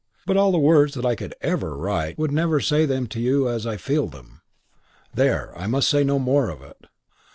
But all the words that I could ever write would never say them to you as I feel them. There! I must say no more of it.